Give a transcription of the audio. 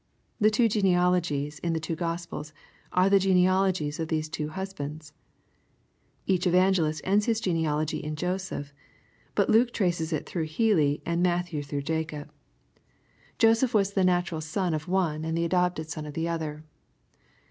The two genealogies in Ihe two Gkfipels, are the genealogies of these two husbandsL Each evangdist ends his genealogy in Joseph, bjit Luke traces it thrcugh fieli, and MattJ^ew through Jacob. Joseph was the 5* i 106 EXPOSITOBT THOUGHTS. natural son of one, acd the adopted son of the other.